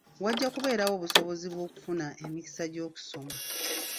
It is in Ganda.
Wajja kubeerawo obusobozi bw'okufuna emikisa gy'okusoma.